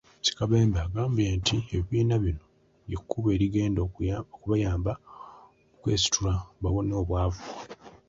Ssekabembe agambye nti ebibiina bino ly'ekkubo erigenda okubayamba okwesitula bawone obwavu.